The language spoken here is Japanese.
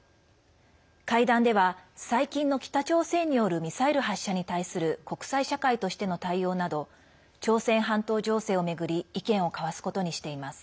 会談では、最近の北朝鮮によるミサイル発射に対する国際社会としての対応など朝鮮半島情勢を巡り意見を交わすことにしています。